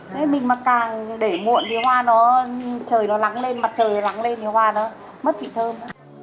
thế mình mà càng để muộn thì hoa nó trời nó lắng lên mặt trời nó lắng lên thì hoa nó mất vị thơm